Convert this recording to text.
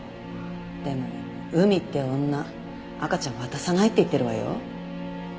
でも海って女赤ちゃん渡さないって言ってるわよ。